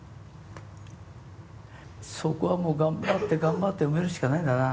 そこはもう頑張って頑張って埋めるしかないんだな。